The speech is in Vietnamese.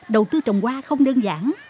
đầu tư trồng hoa không đơn giản